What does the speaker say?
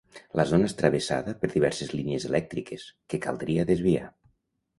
La zona és travessada per diverses línies elèctriques que caldria desviar.